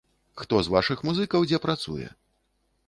Хто з вашых музыкаў дзе працуе?